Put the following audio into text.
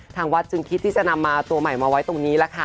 ทางวัดจึงคิดที่จะนำมาตัวใหม่มาไว้ตรงนี้แหละค่ะ